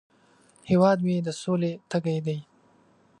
هیواد مې د سولې تږی دی